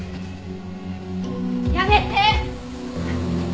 やめて！